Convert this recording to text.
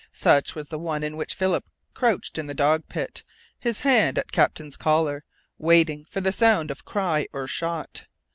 Such was the one in which Philip crouched in the dog pit, his hand at Captain's collar, waiting for the sound of cry or shot.